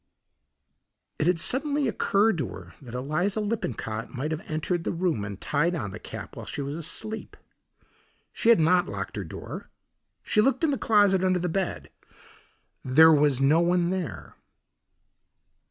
It had suddenly occurred to her that Eliza Lippincott might have entered the room and tied on the cap while she was asleep. She had not locked her door. She looked in the closet, under the bed; there was no one there.